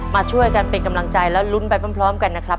มาช่วยกันเป็นกำลังใจแล้วลุ้นไปพร้อมกันนะครับ